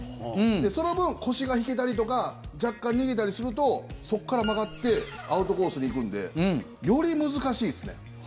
その分、腰が引けたりとか若干逃げたりするとそこから曲がってアウトコースに行くんでより難しいっすね。